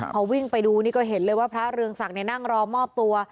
พอวิ่งไปดูนี่ก็เห็นเลยว่าพระเรืองศักดิ์นั่งรอมอบตัว